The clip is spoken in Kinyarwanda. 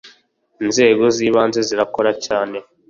Inzego z’ ibanze zirakora cyane.